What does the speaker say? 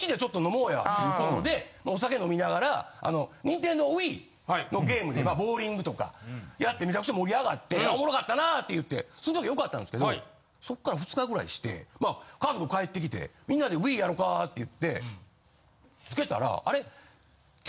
いうことでお酒飲みながら。のゲームとかボウリングとかやってめちゃくちゃ盛り上がっておもろかったなって言ってその時は良かったんですけどそっから２日ぐらいして家族帰ってきてみんなでＷｉｉやろかって言ってつけたらあれ。